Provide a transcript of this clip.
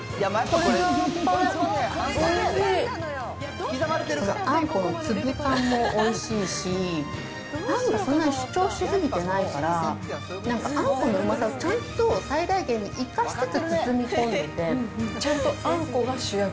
このあんこの粒感もおいしいし、パンがそんなに主張しすぎてないから、なんかあんこのうまさをちゃんと最大限に生かしつつ包み込んでてちゃんとあんこが主役。